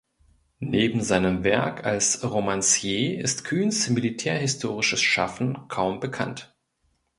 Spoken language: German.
Neben seinem Werk als Romancier ist Kühns militärhistorisches Schaffen kaum bekannt.